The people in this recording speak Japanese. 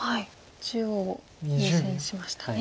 中央を優先しましたね。